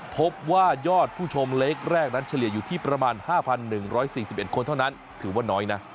พบว่ายอดผู้ชมเล็กแรกนั้นเฉลี่ยอยู่ที่ประมาณ๕๑๔๑คนเท่านั้นถือว่าน้อยนะ